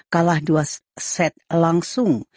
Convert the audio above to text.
kalah dua set langsung